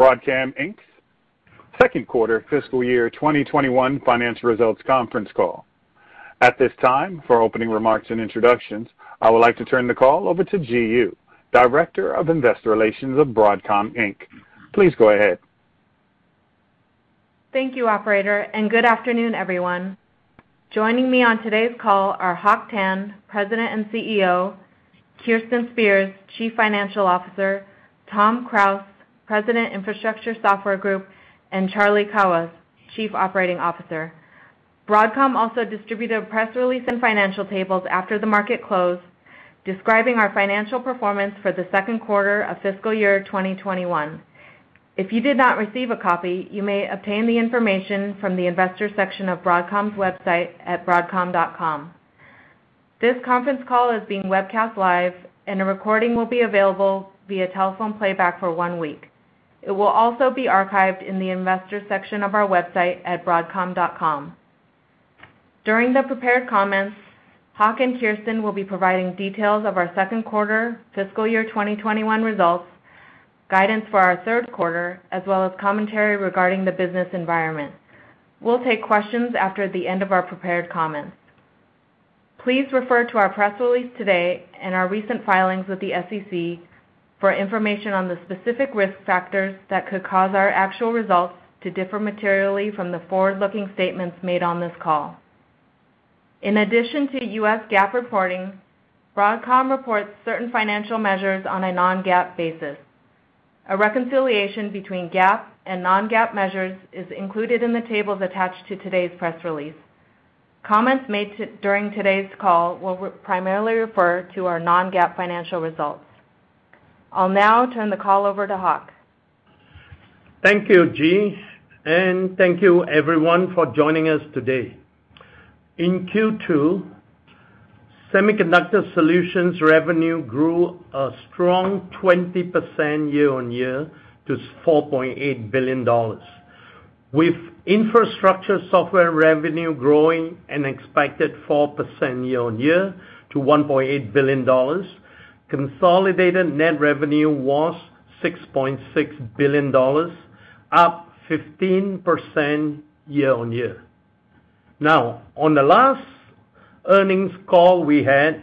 Broadcom Inc.'s second quarter fiscal year 2021 financial results conference call. At this time, for opening remarks and introductions, I would like to turn the call over to Ji Yoo, Director of Investor Relations of Broadcom Inc. Please go ahead. Thank you, operator, and good afternoon, everyone. Joining me on today's call are Hock Tan, President and CEO, Kirsten Spears, Chief Financial Officer, Tom Krause, President, Infrastructure Software Group, and Charlie Kawwas, Chief Operating Officer. Broadcom also distributed a press release and financial tables after the market closed, describing our financial performance for the second quarter of fiscal year 2021. If you did not receive a copy, you may obtain the information from the investor section of Broadcom's website at broadcom.com. This conference call is being webcast live, and a recording will be available via telephone playback for one week. It will also be archived in the investors section of our website at broadcom.com. During the prepared comments, Hock and Kirsten will be providing details of our second quarter fiscal year 2021 results, guidance for our third quarter, as well as commentary regarding the business environment. We'll take questions after the end of our prepared comments. Please refer to our press release today and our recent filings with the SEC for information on the specific risk factors that could cause our actual results to differ materially from the forward-looking statements made on this call. In addition to US GAAP reporting, Broadcom reports certain financial measures on a non-GAAP basis. A reconciliation between GAAP and non-GAAP measures is included in the tables attached to today's press release. Comments made during today's call will primarily refer to our non-GAAP financial results. I'll now turn the call over to Hock. Thank you, Ji, and thank you everyone for joining us today. In Q2, Semiconductor Solutions revenue grew a strong 20% year-on-year to $4.8 billion. With Infrastructure Software revenue growing an expected 4% year-on-year to $1.8 billion, consolidated net revenue was $6.6 billion, up 15% year-on-year. On the last earnings call we had,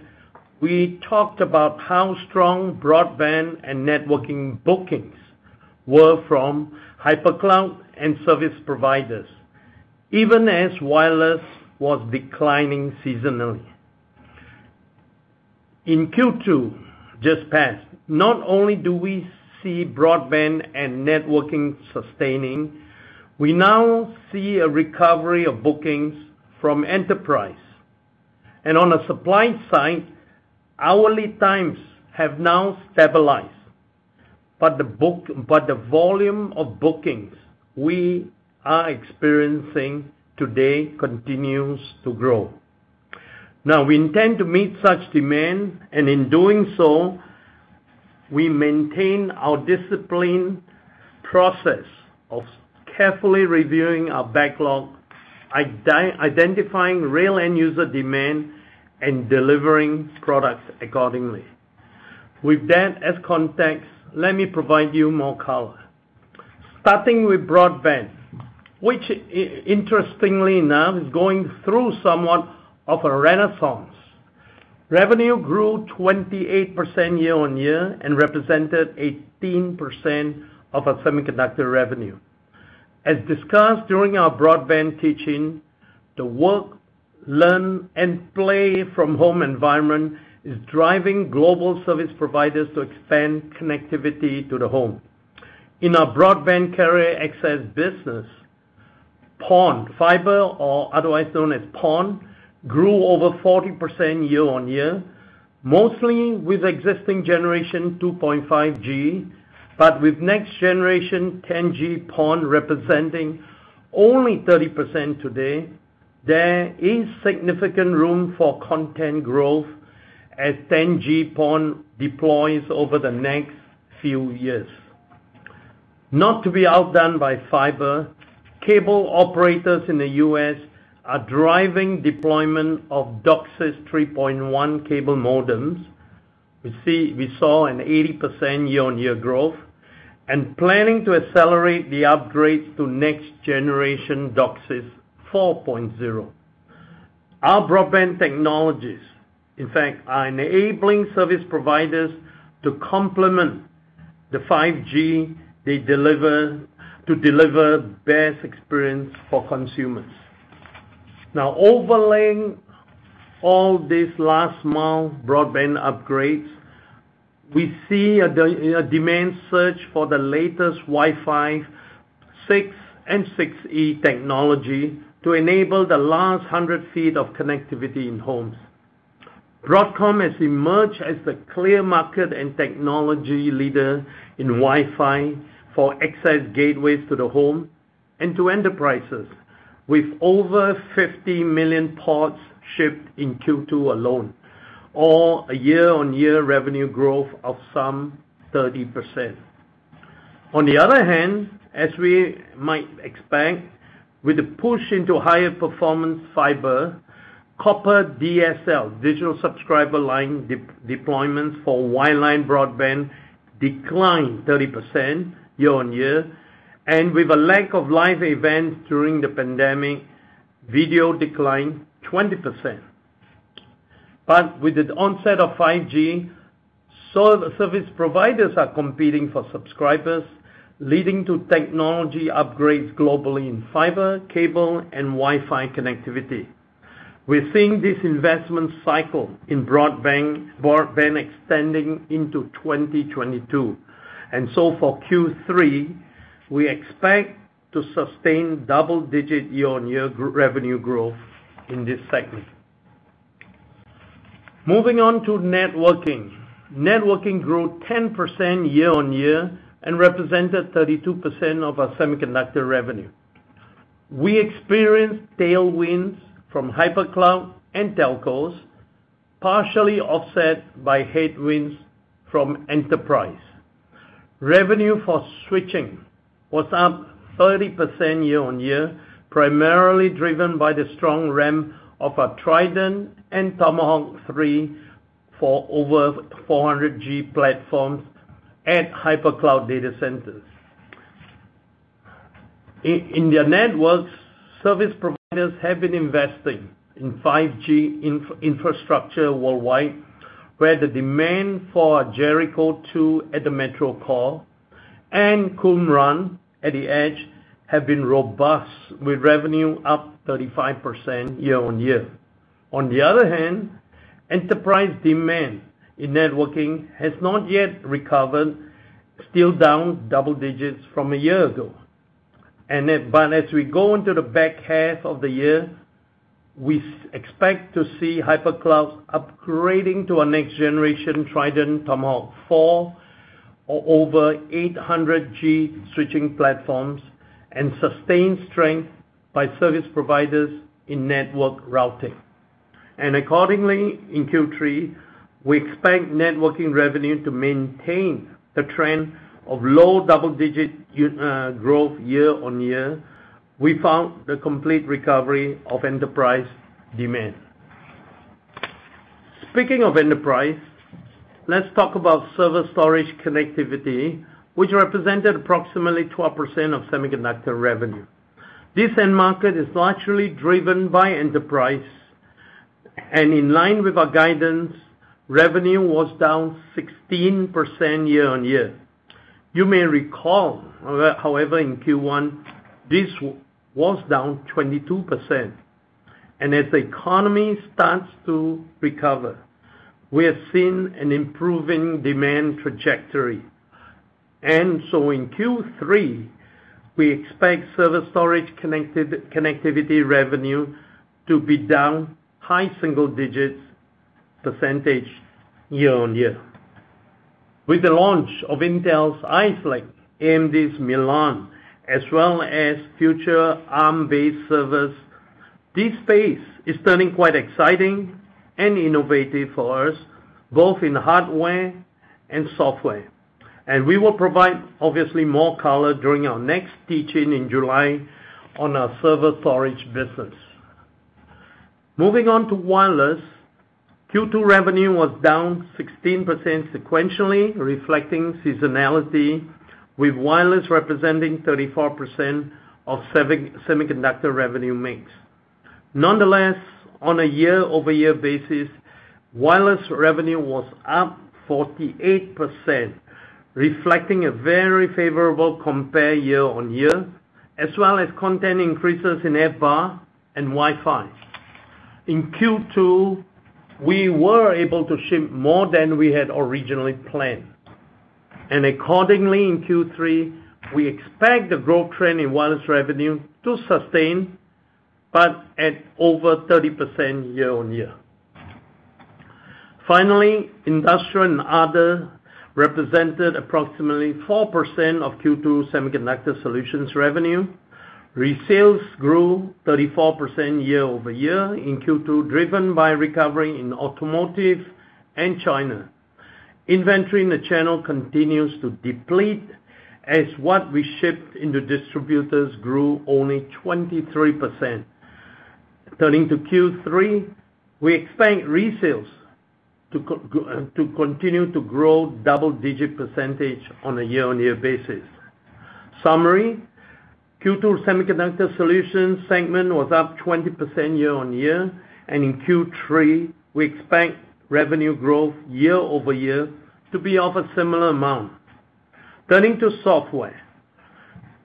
we talked about how strong broadband and networking bookings were from hypercloud and service providers, even as wireless was declining seasonally. In Q2 just passed, not only do we see broadband and networking sustaining, we now see a recovery of bookings from enterprise. On the supply side, hourly times have now stabilized, but the volume of bookings we are experiencing today continues to grow. We intend to meet such demand, and in doing so, we maintain our disciplined process of carefully reviewing our backlog, identifying real end user demand, and delivering products accordingly. With that as context, let me provide you more color. Starting with broadband, which interestingly now is going through somewhat of a renaissance. Revenue grew 28% year-on-year and represented 18% of our semiconductor revenue. As discussed during our broadband teaching, the work, learn, and play from home environment is driving global service providers to expand connectivity to the home. In our broadband carrier access business, PON, fiber or otherwise known as PON, grew over 40% year-on-year, mostly with existing generation 2.5G. With next generation 10G PON representing only 30% today, there is significant room for content growth as 10G PON deploys over the next few years. Not to be outdone by fiber, cable operators in the U.S. are driving deployment of DOCSIS 3.1 cable modems. We saw an 80% year-on-year growth and planning to accelerate the upgrades to next generation DOCSIS 4.0. Our broadband technologies, in fact, are enabling service providers to complement the 5G they deliver to deliver the best experience for consumers. Now overlaying all these last-mile broadband upgrades, we see a demand surge for the latest Wi-Fi 6 and 6E technology to enable the last 100 feet of connectivity in homes. Broadcom has emerged as a clear market and technology leader in Wi-Fi for access gateways to the home and to enterprises, with over 50 million ports shipped in Q2 alone, or a year-on-year revenue growth of some 30%. On the other hand, as we might expect with the push into higher performance fiber, copper, DSL, digital subscriber line deployments for wireline broadband declined 30% year-on-year, and with a lack of live events during the pandemic, video declined 20%. With the onset of 5G, service providers are competing for subscribers, leading to technology upgrades globally in fiber, cable, and Wi-Fi connectivity. We're seeing this investment cycle in broadband expanding into 2022. For Q3, we expect to sustain double-digit year-on-year revenue growth in this segment. Moving on to networking. Networking grew 10% year-on-year and represented 32% of our semiconductor revenue. We experienced tailwinds from hyper cloud and telcos, partially offset by headwinds from enterprise. Revenue for switching was up 30% year-on-year, primarily driven by the strong ramp of our Trident and Tomawhack 3 for over 400G platforms at hyper cloud data centers. In the networks, service providers have been investing in 5G infrastructure worldwide, where the demand for Jericho two at the metro core and Qumran at the edge have been robust, with revenue up 35% year-on-year. Enterprise demand in networking has not yet recovered, still down double-digits from a year ago. As we go into the back half of the year, we expect to see cloud hyperscale upgrading to our next generation Trident Tomawhack 4 or over 800G switching platforms and sustained strength by service providers in network routing. Accordingly, in Q3, we expect networking revenue to maintain the trend of low double-digit growth year-over-year without the complete recovery of enterprise demand. Speaking of enterprise, let's talk about server storage connectivity, which represented approximately 12% of semiconductor revenue. This end market is largely driven by enterprise. In line with our guidance, revenue was down 16% year-over-year. You may recall, however, in Q1, this was down 22%. As the economy starts to recover, we have seen an improving demand trajectory. In Q3, we expect server storage connectivity revenue to be down high single-digit percentage year-on-year. With the launch of Intel's Ice Lake and this Milan, as well as future Arm-based servers, this space is turning quite exciting and innovative for us, both in hardware and software. We will provide obviously more color during our next teach-in in July on our server storage business. Moving on to wireless. Q2 revenue was down 16% sequentially, reflecting seasonality with wireless representing 34% of semiconductor revenue mix. Nonetheless, on a year-over-year basis, wireless revenue was up 48%, reflecting a very favorable compare year-on-year, as well as content increases in RF and Wi-Fi. In Q2, we were able to ship more than we had originally planned. Accordingly, in Q3, we expect the growth trend in wireless revenue to sustain but at over 30% year-on-year. Finally, industrial and other represented approximately 4% of Q2 Semiconductor Solutions revenue. Resales grew 34% year-over-year in Q2, driven by recovery in automotive and China. Inventory in the channel continues to deplete as what we shipped in the distributors grew only 23%. Turning to Q3, we expect resales to continue to grow double-digit percentage on a year-on-year basis. Summary, Q2 Semiconductor Solutions segment was up 20% year-on-year, and in Q3, we expect revenue growth year-over-year to be of a similar amount. Turning to software.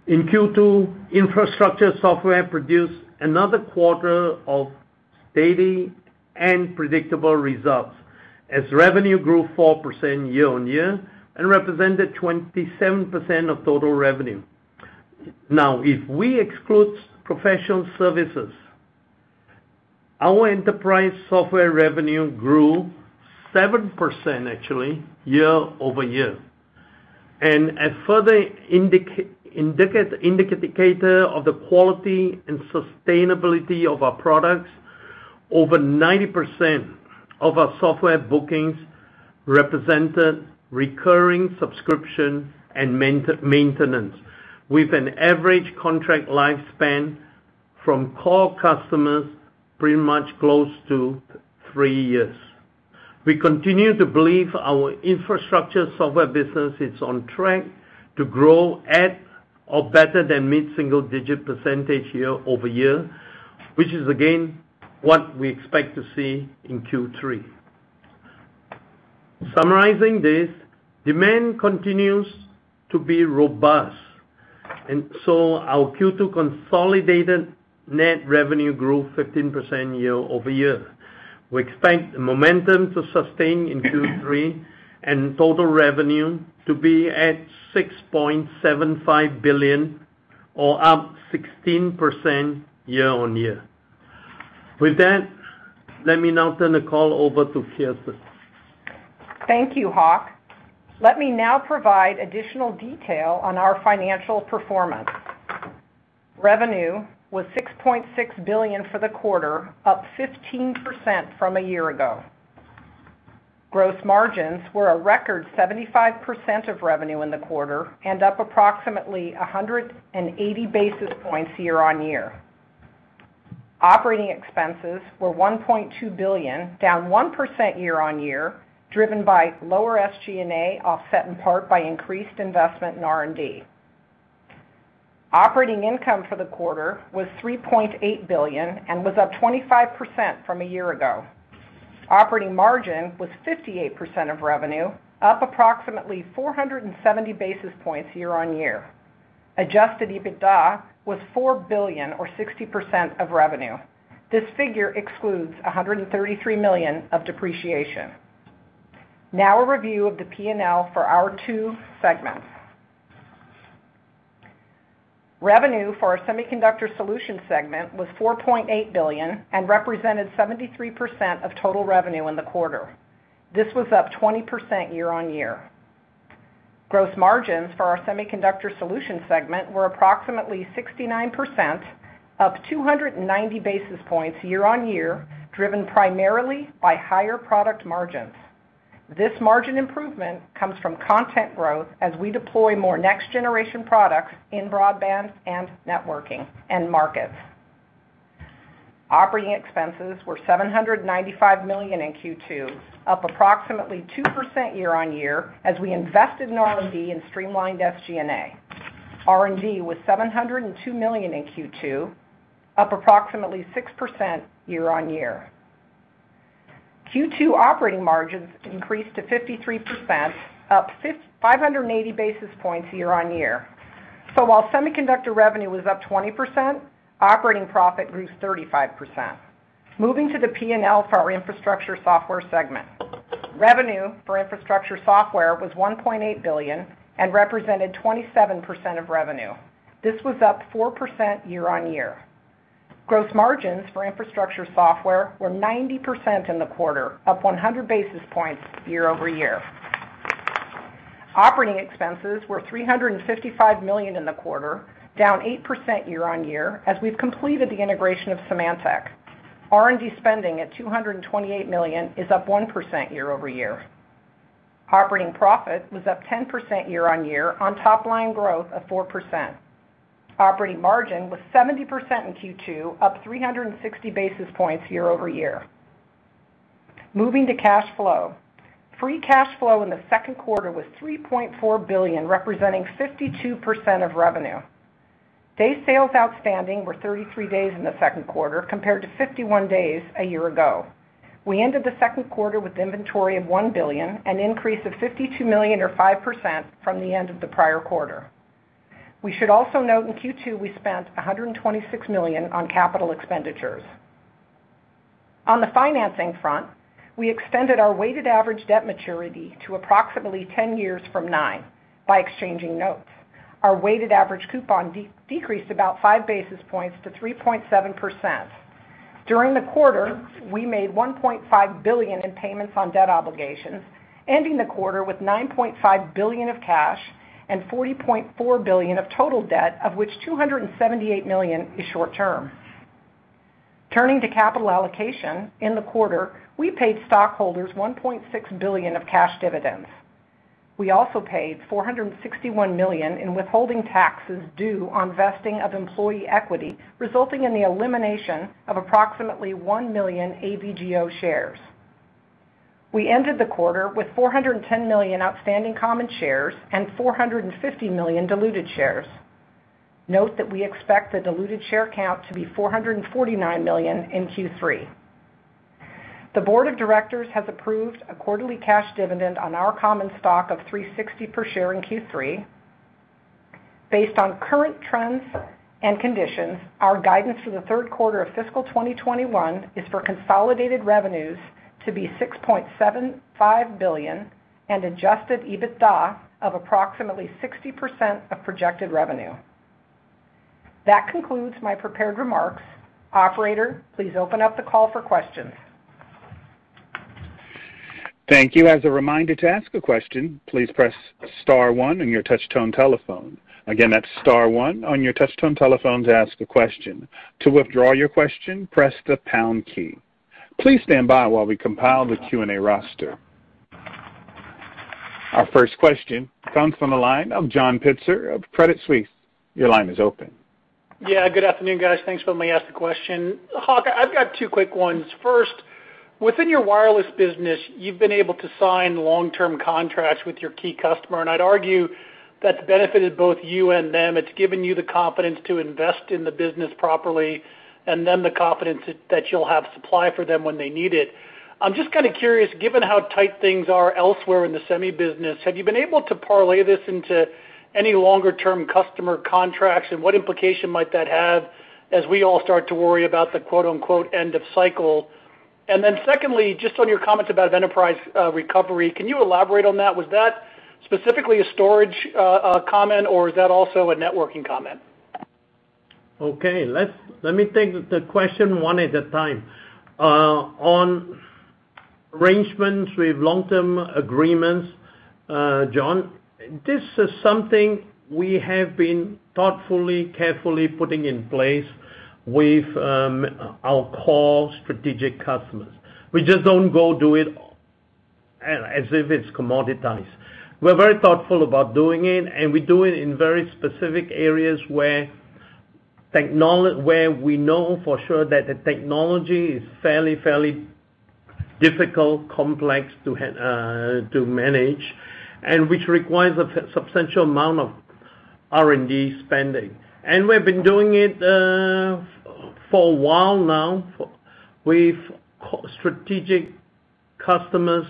In Q2, Infrastructure Software produced another quarter of steady and predictable results as revenue grew 4% year-on-year and represented 27% of total revenue. Now, if we exclude professional services, our enterprise software revenue grew 7% actually year-over-year. A further indicator of the quality and sustainability of our products, over 90% of our software bookings represented recurring subscription and maintenance with an average contract lifespan from core customers pretty much close to three years. We continue to believe our Infrastructure Software business is on track to grow at or better than mid-single digit % year-over-year, which is again, what we expect to see in Q3. Summarizing this, demand continues to be robust, our Q2 consolidated net revenue grew 15% year-over-year. We expect the momentum to sustain in Q3 and total revenue to be at $6.75 billion or up 16% year-on-year. With that, let me now turn the call over to Kirsten Spears. Thank you, Hock. Let me now provide additional detail on our financial performance. Revenue was $6.6 billion for the quarter, up 15% from a year ago. Gross margins were a record 75% of revenue in the quarter and up approximately 180 basis points year on year. Operating expenses were $1.2 billion, down 1% year on year, driven by lower SG&A, offset in part by increased investment in R&D. Operating income for the quarter was $3.8 billion and was up 25% from a year ago. Operating margin was 58% of revenue, up approximately 470 basis points year on year. Adjusted EBITDA was $4 billion or 60% of revenue. This figure excludes $133 million of depreciation. Now a review of the P&L for our two segments. Revenue for our Semiconductor Solutions segment was $4.8 billion and represented 73% of total revenue in the quarter. This was up 20% year on year. Gross margins for our Semiconductor Solutions segment were approximately 69%, up 290 basis points year-on-year, driven primarily by higher product margins. This margin improvement comes from content growth as we deploy more next-generation products in broadband and networking end markets. Operating expenses were $795 million in Q2, up approximately 2% year-on-year as we invested in R&D and streamlined SG&A. R&D was $702 million in Q2, up approximately 6% year-on-year. Q2 operating margins increased to 53%, up 580 basis points year-on-year. While semiconductor revenue was up 20%, operating profit grew 35%. Moving to the P&L for our Infrastructure Software segment. Revenue for Infrastructure Software was $1.8 billion and represented 27% of revenue. This was up 4% year-on-year. Gross margins for Infrastructure Software were 90% in the quarter, up 100 basis points year-over-year. Operating expenses were $355 million in the quarter, down 8% year-over-year as we've completed the integration of Symantec. R&D spending at $228 million is up 1% year-over-year. Operating profit was up 10% year-over-year on top line growth of 4%. Operating margin was 70% in Q2, up 360 basis points year-over-year. Moving to cash flow. Free cash flow in the second quarter was $3.4 billion, representing 52% of revenue. Day sales outstanding were 33 days in the second quarter, compared to 51 days a year ago. We ended the second quarter with inventory of $1 billion, an increase of $52 million or 5% from the end of the prior quarter. We should also note in Q2 we spent $126 million on capital expenditures. On the financing front, we extended our weighted average debt maturity to approximately 10 years from nine by exchanging notes. Our weighted average coupon decreased about five basis points to 3.7%. During the quarter, we made $1.5 billion in payments on debt obligations, ending the quarter with $9.5 billion of cash and $40.4 billion of total debt, of which $278 million is short term. Turning to capital allocation. In the quarter, we paid stockholders $1.6 billion of cash dividends. We also paid $461 million in withholding taxes due on vesting of employee equity, resulting in the elimination of approximately 1 million AVGO shares. We ended the quarter with 410 million outstanding common shares and 450 million diluted shares. Note that we expect the diluted share count to be 449 million in Q3. The board of directors has approved a quarterly cash dividend on our common stock of $3.60 per share in Q3. Based on current trends and conditions, our guidance for the third quarter of fiscal 2021 is for consolidated revenues to be $6.75 billion and adjusted EBITDA of approximately 60% of projected revenue. That concludes my prepared remarks. Operator, please open up the call for questions. Thank you. As a reminder to ask a question, please press Star one on your touchtone telephone. Again, that's Star one on your touchtone telephone to ask a question. To withdraw your question, press the hash key. Please stand by while we compile the Q&A roster Our first question comes from the line of John Pitzer of Credit Suisse. Your line is open. Yeah, good afternoon, guys. Thanks for letting me ask the question. Hock, I've got two quick ones. First, within your wireless business, you've been able to sign long-term contracts with your key customer, and I'd argue that's benefited both you and them. It's given you the confidence to invest in the business properly and then the confidence that you'll have supply for them when they need it. I'm just kind of curious, given how tight things are elsewhere in the semi business, have you been able to parlay this into any longer-term customer contracts, and what implication might that have as we all start to worry about the "end of cycle"? Secondly, just on your comments about enterprise recovery, can you elaborate on that? Was that specifically a storage comment, or is that also a networking comment? Okay. Let me take the question one at a time. On arrangements with long-term agreements, John, this is something we have been thoughtfully, carefully putting in place with our core strategic customers. We just don't go do it as if it's commoditized. We're very thoughtful about doing it, and we do it in very specific areas where we know for sure that the technology is fairly difficult, complex to manage, and which requires a substantial amount of R&D spending. We've been doing it for a while now with strategic customers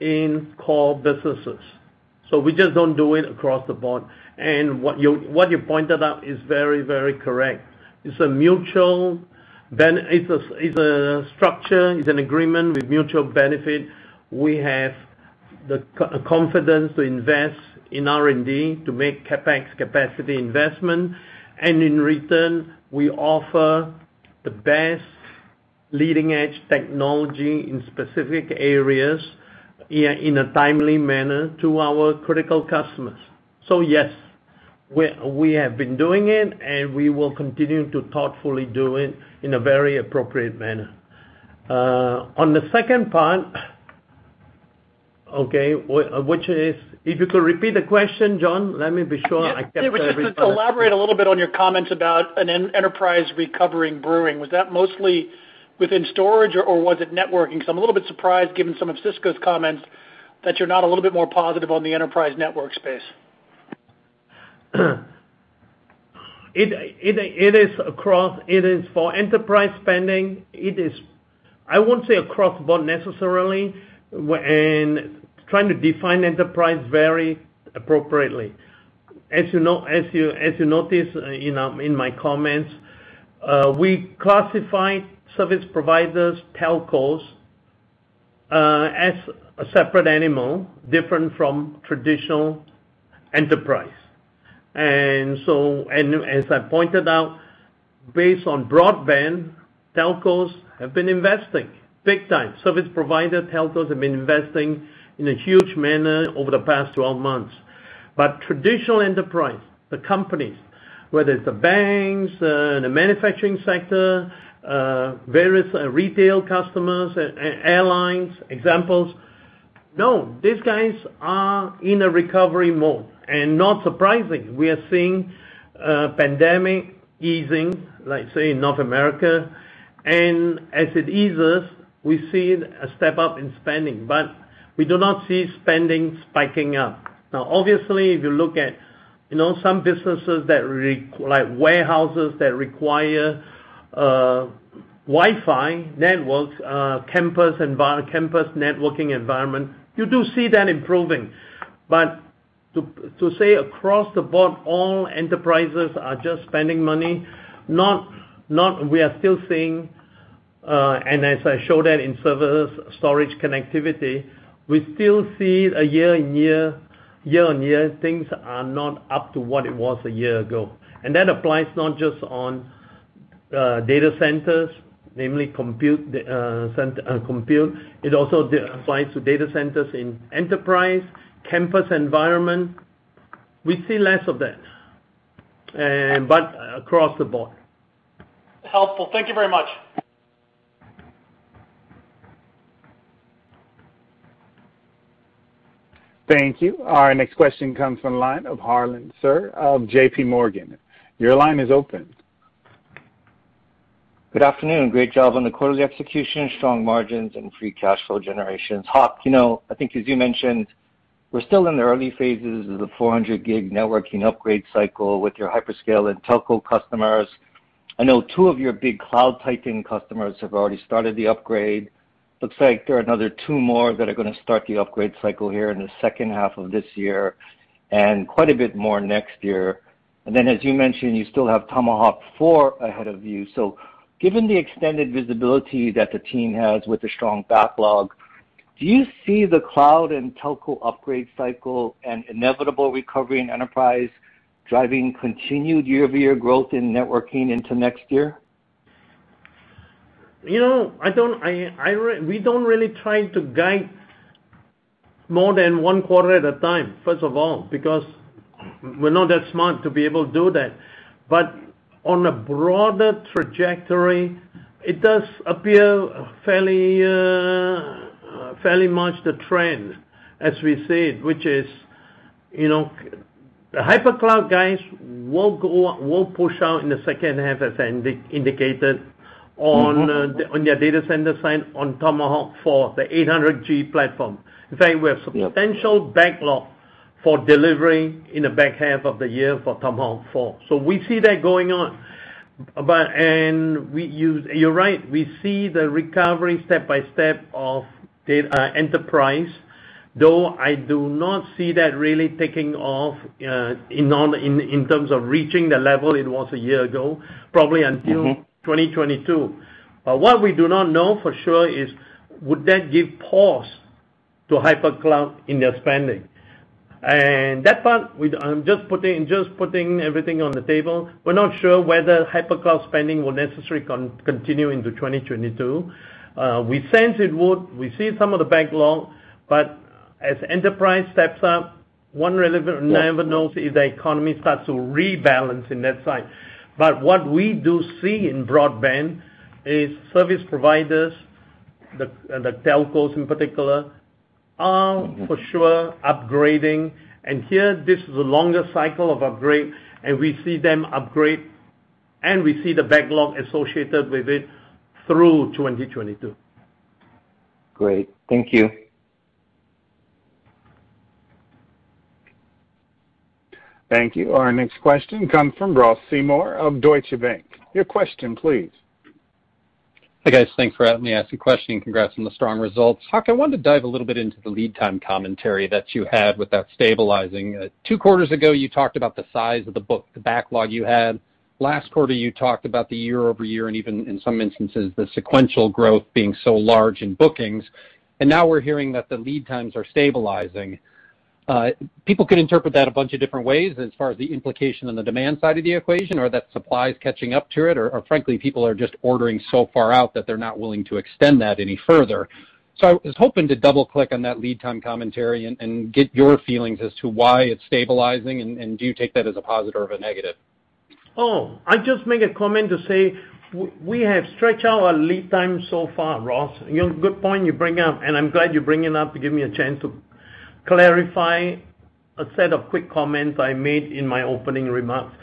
in core businesses. We just don't do it across the board. What you pointed out is very correct. It's a structure, it's an agreement with mutual benefit. We have the confidence to invest in R&D to make CapEx capacity investment, and in return, we offer the best leading-edge technology in specific areas in a timely manner to our critical customers. Yes, we have been doing it, and we will continue to thoughtfully do it in a very appropriate manner. On the second part, okay, if you could repeat the question, John, let me be sure I capture everything. Yeah. Just to elaborate a little bit on your comments about an enterprise recovery brewing. Was that mostly within storage or was it networking? I'm a little bit surprised given some of Cisco's comments that you're not a little bit more positive on the enterprise network space. It is for enterprise spending. I won't say across the board necessarily, and trying to define enterprise very appropriately. As you noticed in my comments, we classify service providers, telcos, as a separate animal, different from traditional enterprise. As I pointed out, based on broadband, telcos have been investing big time. Service providers, telcos, have been investing in a huge manner over the past 12 months. Traditional enterprise, the companies, whether it's the banks, the manufacturing sector, various retail customers, airlines, examples. No, these guys are in a recovery mode. Not surprising, we are seeing pandemic easing, let's say in North America. As it eases, we see a step up in spending, but we do not see spending spiking up. Obviously, if you look at some businesses like warehouses that require Wi-Fi networks, campus networking environment, you do see that improving. To say across the board, all enterprises are just spending money, we are still seeing, and as I showed that in servers, storage, connectivity, we still see a year on year things are not up to what it was a year ago. That applies not just on data centers, namely compute. It also applies to data centers in enterprise campus environment. We see less of that, but across the board. Helpful. Thank you very much. Thank you. Our next question comes from the line of Harlan Sur of JP Morgan. Good afternoon. Great job on the quarter's execution, strong margins, and free cash flow generations. Hock, I think as you mentioned, we're still in the early phases of the 400G networking upgrade cycle with your hyperscale and telco customers. I know two of your big cloud hyperscale customers have already started the upgrade. Looks like there are another two more that are going to start the upgrade cycle here in the second half of this year and quite a bit more next year. As you mentioned, you still have Tomahawk 4 ahead of you. Given the extended visibility that the team has with a strong backlog, do you see the cloud and telco upgrade cycle and inevitable recovery in enterprise driving continued year-over-year growth in networking into next year? We don't really try to guide more than one quarter at a time, first of all, because we're not that smart to be able to do that. On a broader trajectory, it does appear fairly much the trend, as we said, which is the cloud hyperscale will push out in the second half, as indicated on their data center side on Tomawhack 4, the 800G platform. We have potential backlog for delivery in the back half of the year for Tomawhack 4. We see that going on. You're right, we see the recovery step by step of enterprise, though I do not see that really taking off in terms of reaching the level it was a year ago, probably until 2022. What we do not know for sure is would that give pause to cloud hyperscale in their spending? That part, I'm just putting everything on the table. We're not sure whether hyper cloud spending will necessarily continue into 2022. We sense it would. We see some of the backlog. As enterprise steps up, one never knows if the economy starts to rebalance in that side. What we do see in broadband is service providers, the telcos in particular, are for sure upgrading. Here, this is the longest cycle of upgrades, and we see them upgrade, and we see the backlog associated with it through 2022. Great. Thank you. Thank you. Our next question comes from Ross Seymore of Deutsche Bank. Your question, please. Hey, guys. Thanks for letting me ask a question. Congrats on the strong results. Hock, I wanted to dive a little bit into the lead time commentary that you had with that stabilizing. Two quarters ago, you talked about the size of the book, the backlog you had. Last quarter, you talked about the year-over-year, and even in some instances, the sequential growth being so large in bookings. Now we're hearing that the lead times are stabilizing. People can interpret that a bunch of different ways as far as the implication on the demand side of the equation, or that supply's catching up to it, or frankly, people are just ordering so far out that they're not willing to extend that any further. I was hoping to double-click on that lead time commentary and get your feelings as to why it's stabilizing, and do you take that as a positive or a negative? Oh, I just make a comment to say we have stretched out our lead time so far, Ross. Good point you bring up, and I'm glad you bring it up to give me a chance to clarify a set of quick comments I made in my opening remarks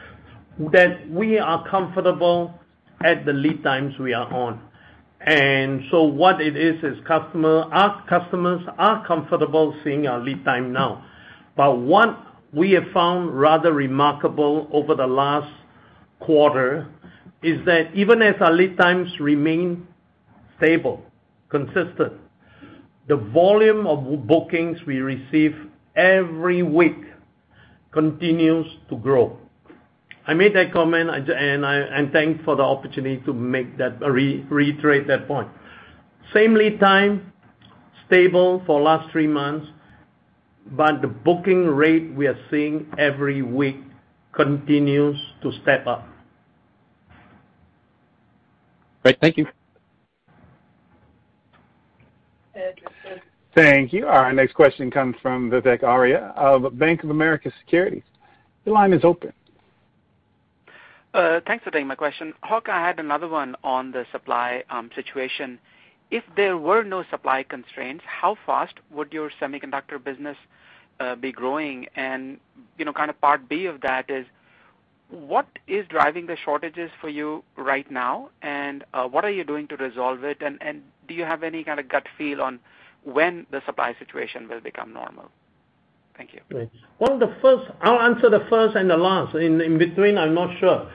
that we are comfortable at the lead times we are on. What it is our customers are comfortable seeing our lead time now. What we have found rather remarkable over the last quarter is that even as our lead times remain stable, consistent, the volume of bookings we receive every week continues to grow. I made that comment, and I'm thankful for the opportunity to reiterate that point. Same lead time, stable for last three months, but the booking rate we are seeing every week continues to step up. Great. Thank you. Thank you. Our next question comes from Vivek Arya of Bank of America Securities. Your line is open. Thanks for taking my question. Hock, I had another one on the supply situation. If there were no supply constraints, how fast would your semiconductor business be growing? Kind of part B of that is what is driving the shortages for you right now, and what are you doing to resolve it? Do you have any kind of gut feel on when the supply situation will become normal? Thank you. On the first, I'll answer the first and the last. In between, I'm not sure.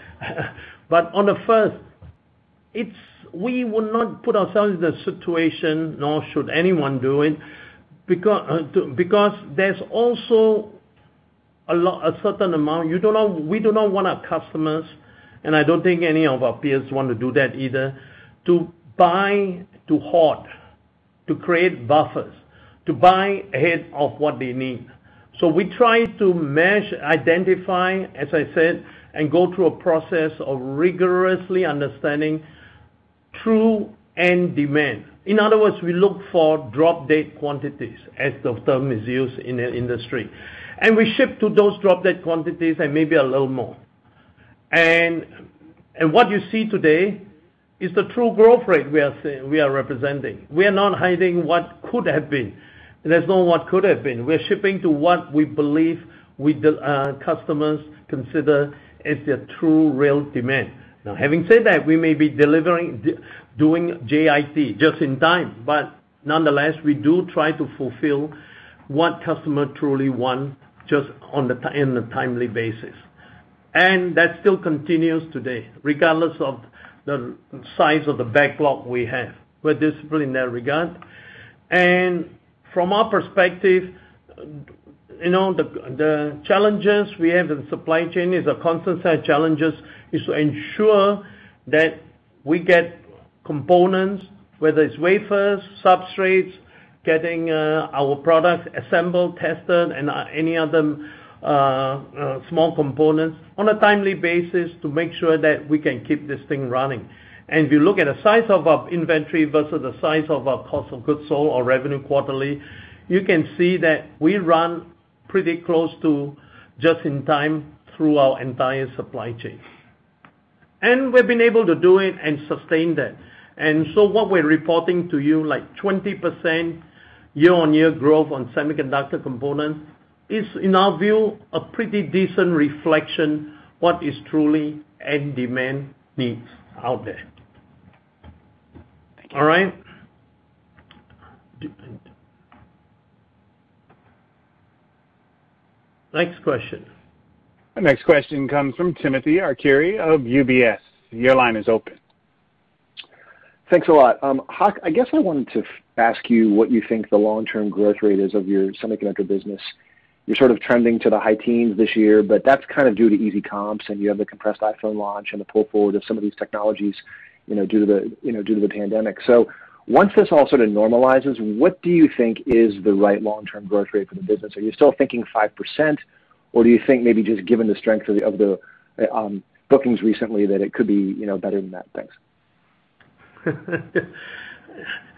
On the first, we would not put ourselves in a situation, nor should anyone do it, because there's also a certain amount. We do not want our customers, and I don't think any of our peers want to do that either, to buy, to hoard, to create buffers, to buy ahead of what they need. We try to mesh, identify, as I said, and go through a process of rigorously understanding true end demand. In other words, we look for drop-dead quantities, as the term is used in the industry, and we ship to those drop-dead quantities and maybe a little more. What you see today is the true growth rate we are representing. We are not hiding what could have been. There's no what could have been. We're shipping to what we believe customers consider is their true real demand. Having said that, we may be delivering, doing JIT, just in time, but nonetheless, we do try to fulfill what customer truly want just in a timely basis. That still continues today, regardless of the size of the backlog we have. We're disciplined in that regard. From our perspective, the challenges we have in supply chain is the constant set of challenges is to ensure that we get components, whether it's wafers, substrates, getting our product assembled, tested, and any other small components on a timely basis to make sure that we can keep this thing running. If you look at the size of our inventory versus the size of our cost of goods sold or revenue quarterly, you can see that we run pretty close to just in time through our entire supply chain. We've been able to do it and sustain that. What we're reporting to you, like 20% year-on-year growth on semiconductor components is, in our view, a pretty decent reflection what is truly end demand needs out there. All right? Next question. The next question comes from Timothy Arcuri of UBS. Your line is open. Thanks a lot. Hock, I guess I wanted to ask you what you think the long-term growth rate is of your semiconductor business. You're trending to the high teens this year, but that's due to easy comps and you have the compressed iPhone launch and the pull-forward of some of these technologies, due to the pandemic. Once this all sort of normalizes, what do you think is the right long-term growth rate for the business? Are you still thinking 5% or do you think maybe just given the strength of the bookings recently that it could be better than that? Thanks.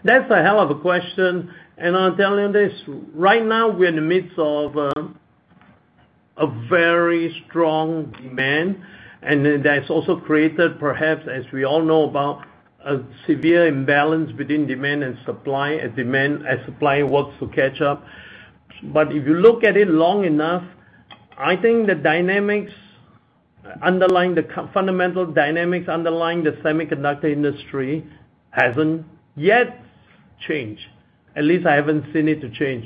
That's a hell of a question, and I'm telling you this, right now we're in the midst of a very strong demand, and that's also created, perhaps as we all know about, a severe imbalance between demand and supply as supply works to catch up. If you look at it long enough, I think the fundamental dynamics underlying the semiconductor industry hasn't yet changed. At least I haven't seen it to change.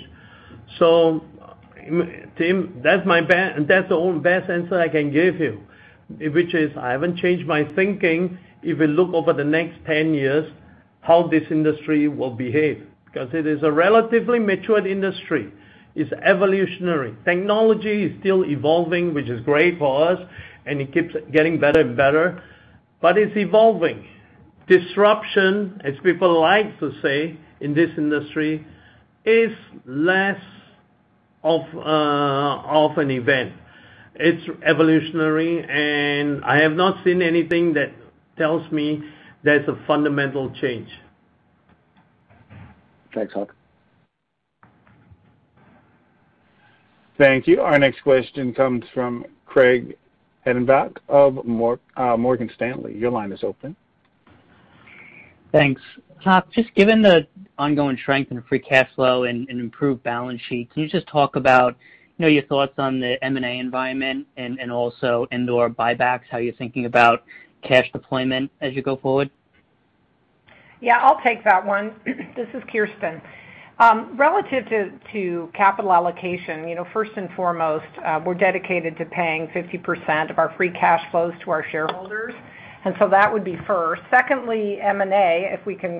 Tim, that's the only best answer I can give you, which is I haven't changed my thinking, if you look over the next 10 years, how this industry will behave, because it is a relatively matured industry. It's evolutionary. Technology is still evolving, which is great for us, and it keeps getting better and better, but it's evolving. Disruption, as people like to say in this industry, is less of an event. It's evolutionary, and I have not seen anything that tells me there's a fundamental change. Thanks, Hock. Thank you. Our next question comes from Craig Hettenbach of Morgan Stanley. Your line is open. Thanks. Hock, just given the ongoing strength in free cash flow and improved balance sheet, can you just talk about your thoughts on the M&A environment and also and/or buybacks, how you're thinking about cash deployment as you go forward? Yeah, I'll take that one. This is Kirsten. Relative to capital allocation, first and foremost, we're dedicated to paying 50% of our free cash flows to our shareholders. That would be first. Secondly, M&A, if we can,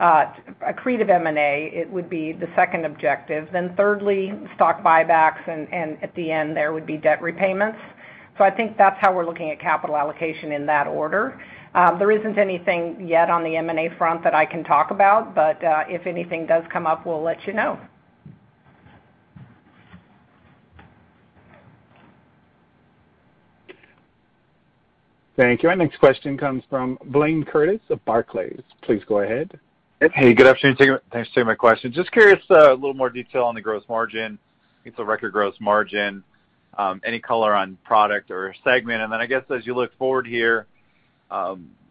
accretive M&A, it would be the second objective. Thirdly, stock buybacks and at the end there would be debt repayments. I think that's how we're looking at capital allocation in that order. There isn't anything yet on the M&A front that I can talk about. If anything does come up, we'll let you know. Thank you. Our next question comes from Blayne Curtis of Barclays. Please go ahead. Hey. Good afternoon. Thanks for taking my question. Just curious, a little more detail on the gross margin. I think it's a record gross margin, any color on product or segment? I guess as you look forward here,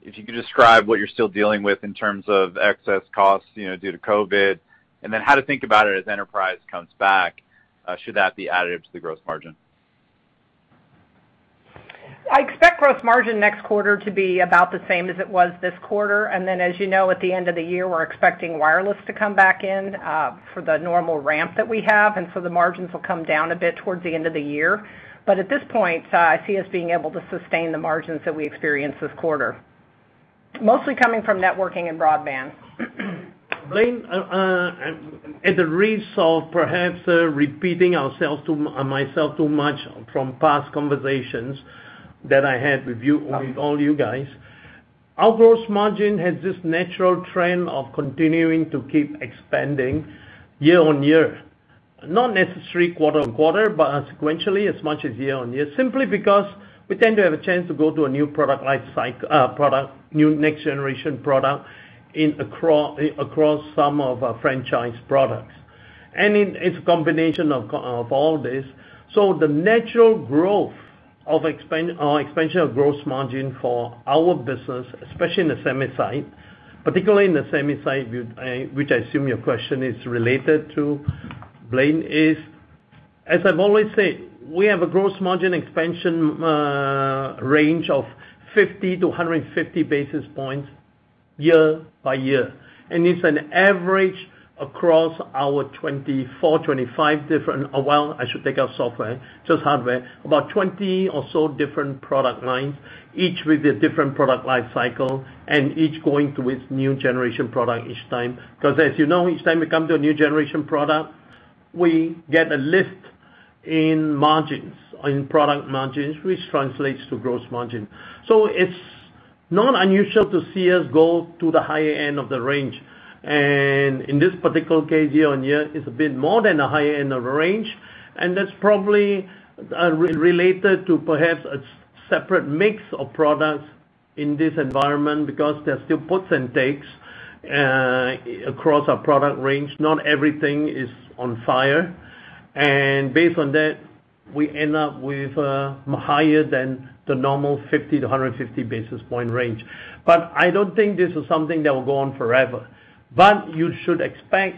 if you could describe what you're still dealing with in terms of excess costs, due to COVID, and then how to think about it as enterprise comes back, should that be added to the gross margin? I expect gross margin next quarter to be about the same as it was this quarter. As you know, at the end of the year, we're expecting wireless to come back in, for the normal ramp that we have. The margins will come down a bit towards the end of the year. At this point, I see us being able to sustain the margins that we experienced this quarter, mostly coming from networking and broadband. Blayne, at the risk of perhaps repeating myself too much from past conversations that I had with all you guys. Our gross margin has this natural trend of continuing to keep expanding year on year, not necessarily quarter on quarter, but sequentially as much as year on year, simply because we tend to have a chance to go to a new product life cycle, new next generation product across some of our franchise products. It's a combination of all this. The natural growth of expansion of gross margin for our business, especially in the semi side, particularly in the semi side, which I assume your question is related to, Blayne, is, as I've always said, we have a gross margin expansion range of 50 to 150 basis points year by year, and it's an average across our 24, 25 different, well, I should take out software, just hardware, about 20 or so different product lines, each with a different product life cycle and each going to its new generation product each time. As you know, each time it comes to a new generation product, we get a lift in margins, in product margins, which translates to gross margin. It's not unusual to see us go to the higher end of the range. In this particular case year-on-year, it's a bit more than the higher end of the range. That's probably related to perhaps a separate mix of products in this environment because there are still puts and takes across our product range. Not everything is on fire. Based on that, we end up with higher than the normal 50-150 basis point range. I don't think this is something that will go on forever. You should expect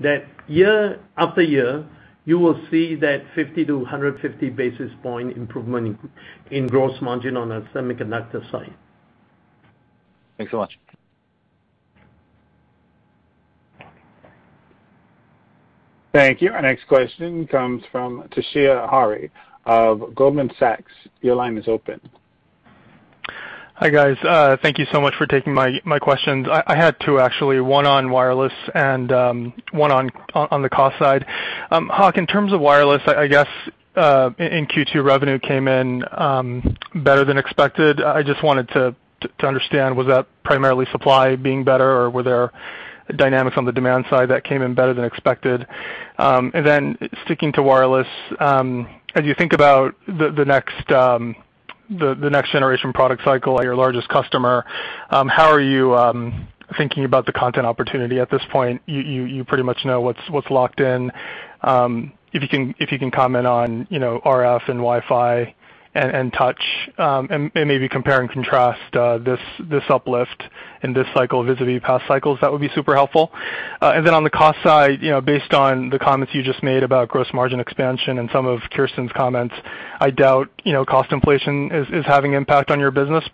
that year-after-year, you will see that 50-150 basis point improvement in gross margin on the semiconductor side. Thanks so much. Thank you. Our next question comes from Toshiya Hari of Goldman Sachs. Your line is open. Hi, guys. Thank you so much for taking my questions. I had two, actually, one on wireless and one on the cost side. Hock, in terms of wireless, I guess, in Q2, revenue came in better than expected. I just wanted to understand, was that primarily supply being better, or were there dynamics on the demand side that came in better than expected? Sticking to wireless, as you think about the next generation product cycle at your largest customer, how are you thinking about the content opportunity at this point? You pretty much know what's locked in. If you can comment on RF and Wi-Fi and touch, and maybe compare and contrast this uplift in this cycle vis-a-vis past cycles, that would be super helpful. On the cost side, based on the comments you just made about gross margin expansion and some of Kirsten's comments, I doubt cost inflation is having an impact on your business.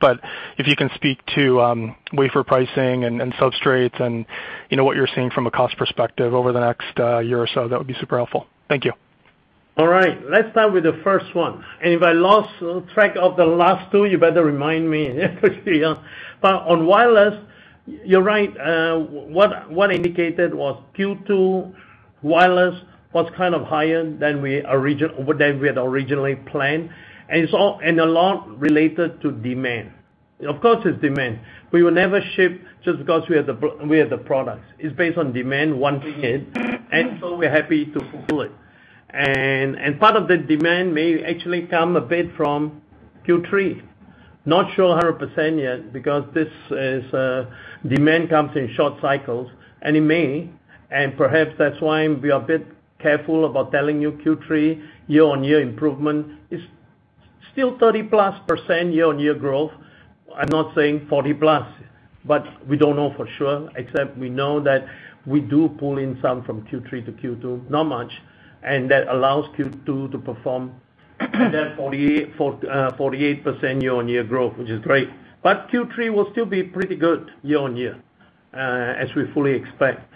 If you can speak to wafer pricing and substrates and what you're seeing from a cost perspective over the next year or so, that would be super helpful. Thank you. All right. Let's start with the first one. If I lost track of the last two, you better remind me. On wireless, you're right. What I indicated was Q2 wireless was kind of higher than we had originally planned, and a lot related to demand. Of course, it's demand. We will never ship just because we have the product. It's based on demand wanting it, and so we're happy to fulfill it. Part of the demand may actually come a bit from Q3. Not sure 100% yet because demand comes in short cycles, and it may, and perhaps that's why we are a bit careful about telling you Q3 year-on-year improvement is still 30-plus % year-on-year growth. I'm not saying 40-plus, we don't know for sure except we know that we do pull in some from Q3 to Q2, not much, and that allows Q2 to perform that 48% year-on-year growth, which is great. Q3 will still be pretty good year-on-year, as we fully expect.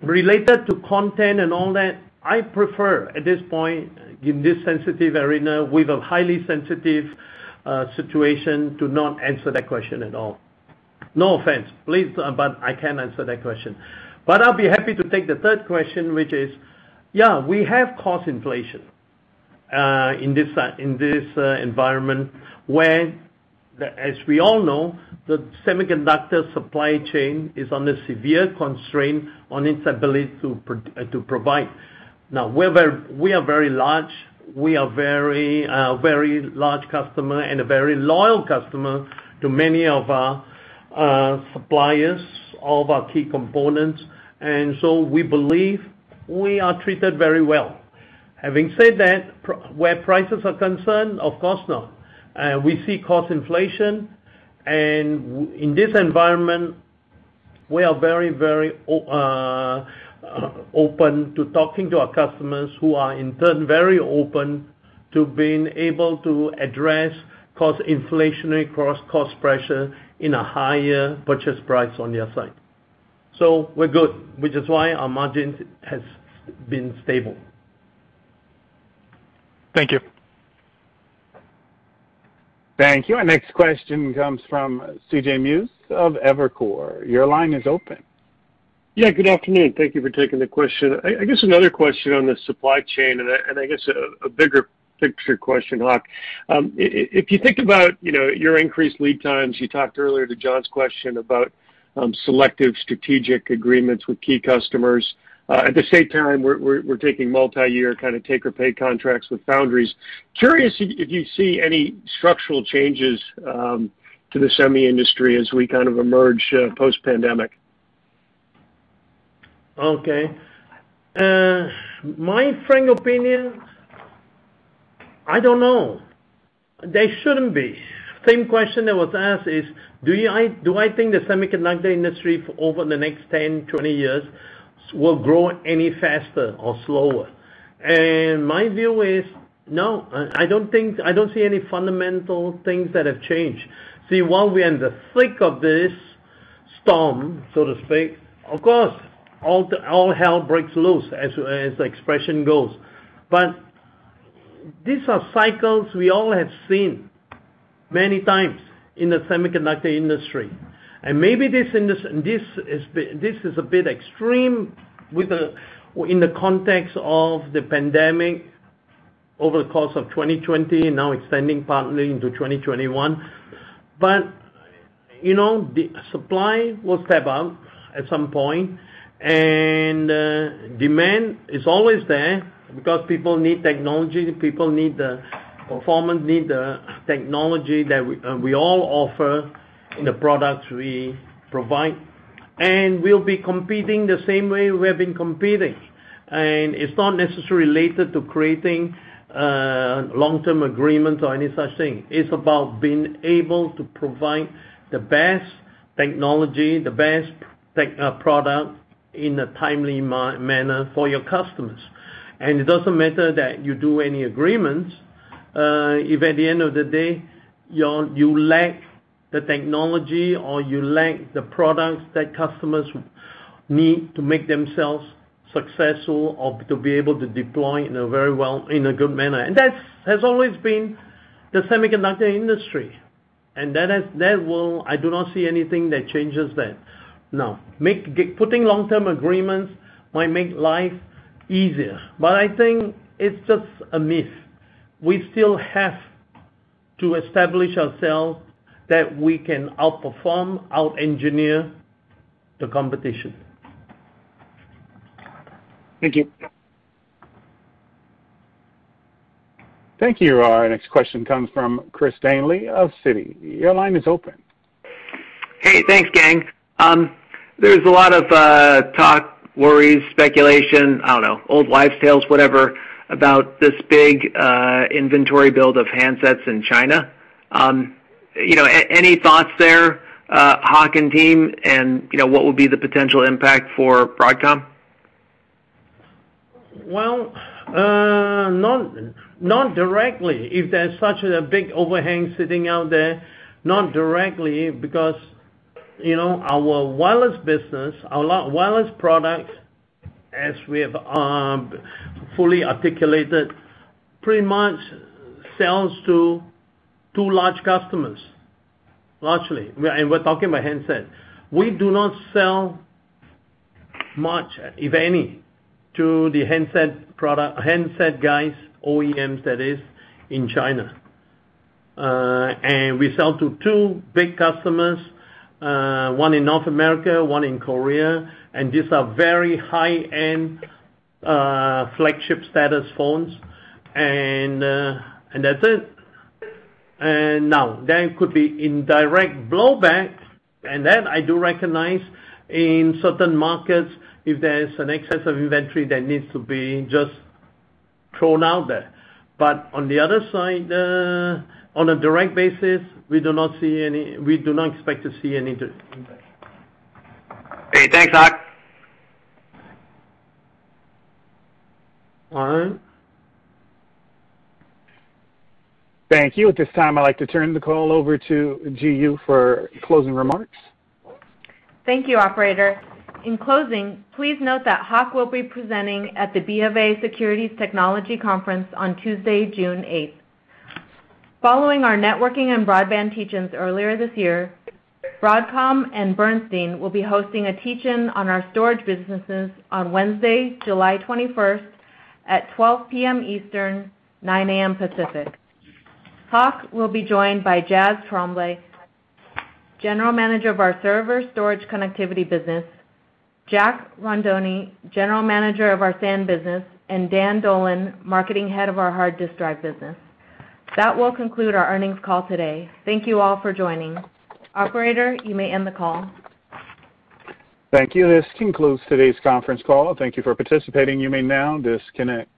Related to content and all that, I prefer at this point, in this sensitive arena with a highly sensitive situation, to not answer that question at all. No offense, please, I can't answer that question. I'll be happy to take the third question, which is, yeah, we have cost inflation in this environment where, as we all know, the semiconductor supply chain is under severe constraint on its ability to provide. We are a very large customer and a very loyal customer to many of our suppliers of our key components. We believe we are treated very well. Having said that, where prices are concerned, of course not. We see cost inflation, and in this environment, we are very open to talking to our customers who are, in turn, very open to being able to address cost inflationary costs, cost pressure in a higher purchase price on their side. We're good, which is why our margin has been stable. Thank you. Thank you. Our next question comes from C.J. Muse of Evercore. Your line is open. Yeah, good afternoon. Thank you for taking the question. I guess another question on the supply chain, and I guess a bigger picture question, Hock. If you think about your increased lead times, you talked earlier to John's question about selective strategic agreements with key customers. At the same time, we're taking multi-year kind of take or pay contracts with foundries. Curious if you see any structural changes to the semi industry as we kind of emerge post-pandemic? Okay. My frank opinion, I don't know. There shouldn't be. Same question that was asked is, do I think the semiconductor industry over the next 10, 20 years, will grow any faster or slower? My view is no. I don't see any fundamental things that have changed. While we are in the thick of this storm, so to speak, of course, all hell breaks loose, as the expression goes. These are cycles we all have seen many times in the semiconductor industry. Maybe this is a bit extreme in the context of the pandemic over the course of 2020 and now extending partly into 2021. The supply will step up at some point, and demand is always there because people need technology, people need the performance, need the technology that we all offer. The products we provide, we'll be competing the same way we've been competing. It's not necessarily related to creating long-term agreements or any such thing. It's about being able to provide the best technology, the best product in a timely manner for your customers. It doesn't matter that you do any agreements, if at the end of the day, you lack the technology or you lack the products that customers need to make themselves successful or to be able to deploy in a good manner. That has always been the semiconductor industry, and I do not see anything that changes that. Now, putting long-term agreements might make life easier, but I think it's just a myth. We still have to establish ourselves that we can outperform, out-engineer the competition. Thank you. Thank you. Our next question comes from Christopher Danely of Citi. Your line is open. Hey, thanks, gang. There's a lot of talk, worries, speculation, I don't know, old wives' tales, whatever, about this big inventory build of handsets in China. Any thoughts there, Hock and team, and what would be the potential impact for Broadcom? Well, not directly. If there's such a big overhang sitting out there, not directly because our wireless business, our wireless products, as we have fully articulated, pretty much sells to two large customers, largely. We're talking about handsets. We do not sell much, if any, to the handset guys, OEMs, that is, in China. We sell to two big customers, one in North America, one in Korea, and these are very high-end, flagship status phones, and that's it. Now, there could be indirect blowback, and that I do recognize in certain markets if there's an excess of inventory that needs to be just thrown out there. On the other side, on a direct basis, we do not expect to see any impact. Okay, thanks, Hock. All right. Thank you. At this time, I'd like to turn the call over to Ji Yoo for closing remarks. Thank you, operator. In closing, please note that Hock will be presenting at the B of A Securities Technology Conference on Tuesday, June 8th. Following our networking and broadband teach-ins earlier this year, Broadcom and Bernstein will be hosting a teach-in on our storage businesses on Wednesday, July 21st at 12:00 P.M. Eastern, 9:00 A.M. Pacific. Hock will be joined by Jas Tremblay, General Manager of our Server Storage Connectivity business, Jack Rondoni, General Manager of our SAN business, and Dan Dolan, Marketing Head of our Hard Disk Drive business. That will conclude our earnings call today. Thank you all for joining. Operator, you may end the call. Thank you. This concludes today's conference call. Thank you for participating. You may now disconnect.